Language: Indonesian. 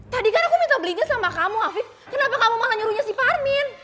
tadi kan aku minta belinya sama kamu afif kenapa kamu malah nyuruhnya si parmin